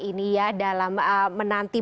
ini ya dalam menanti